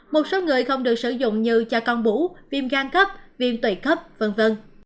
một số người không được sử dụng như cho con bú viêm gan cấp viêm tủy cấp v v